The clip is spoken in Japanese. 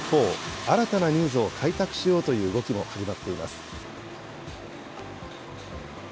一方、新たなニーズを開拓しようという動きも始まっています。